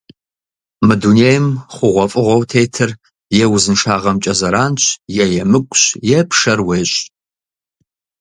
Мы дунейм хъугъуэфӏыгъуэу тетыр е узыншагъэмкӏэ зэранщ, е емыкӏущ, е пшэр уещӏ.